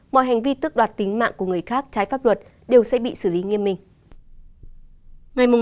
mọi hành vi tức đoạt tính mạng của người khác trái pháp luật đều sẽ bị xử lý nghiêm minh